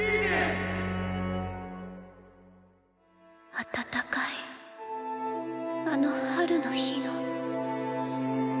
暖かいあの春の日の。